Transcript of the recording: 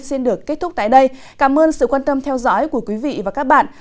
xin được kết thúc tại đây cảm ơn sự quan tâm theo dõi của quý vị và các bạn